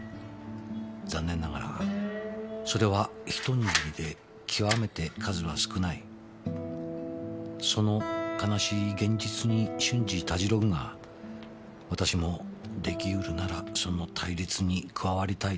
「残念ながらそれは一握りで極めて数は少ない」「その悲しい現実に瞬時たじろぐが私も出来うるならその隊列に加わりたいと強く願っている」